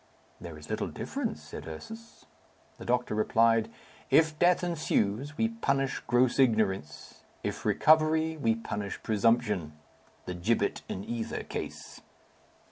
"There is little difference," said Ursus. The doctor replied, "If death ensues, we punish gross ignorance; if recovery, we punish presumption. The gibbet in either case."